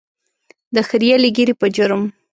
د خرییلې ږیرې په جرم.